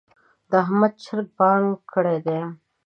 د احمد چرګ بانګ کړی دی.